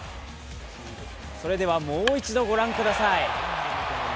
それではもう一度御覧ください。